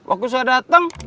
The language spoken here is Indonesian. aku sudah datang